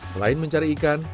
selain mencari ikan